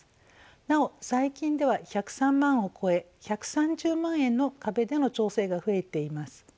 なお最近では１０３万を超え１３０万円の壁での調整が増えています。